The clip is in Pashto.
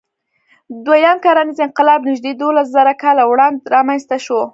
دوهیم کرنیز انقلاب نږدې دولسزره کاله وړاندې رامنځ ته شو.